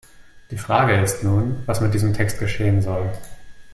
Die Frage ist nun, was mit diesem Text geschehen soll.